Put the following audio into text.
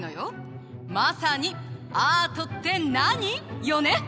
まさに「アートって何！？」よね！